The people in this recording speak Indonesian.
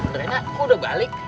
norena aku udah balik